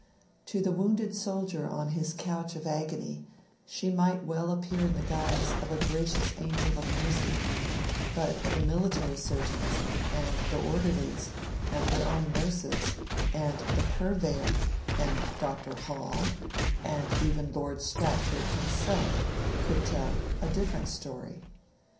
To the wounded soldier on his couch of agony, she might well appear in the guise of a gracious angel of mercy; but the military surgeons, and the orderlies, and her own nurses, and the 'Purveyor', and Dr. Hall, and, even Lord Stratford himself, could tell a different story.